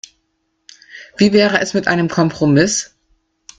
Wie wäre es mit einem Kompromiss?